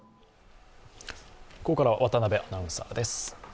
ここからは渡部アナウンサーです。